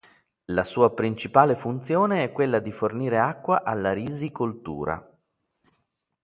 Oggi la sua principale funzione è quella di fornire acqua alla risicoltura.